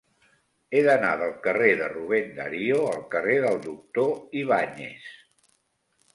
He d'anar del carrer de Rubén Darío al carrer del Doctor Ibáñez.